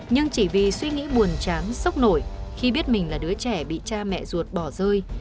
nhưng chỉ vì suy nghĩ buồn chán sốc nổi khi biết mình là đứa trẻ bị cha mẹ ruột bỏ rơi